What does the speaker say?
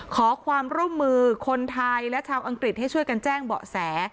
ขอความร่วมมือคนไทยและชาวอังกฤษให้ช่วยกันแจ้งเบาะแส